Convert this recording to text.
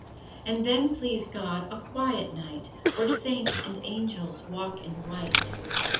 And then, please God, a quiet night Where Saints and Angels walk in white.